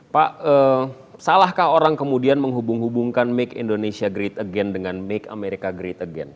pak salahkah orang kemudian menghubung hubungkan make indonesia great again dengan make america great again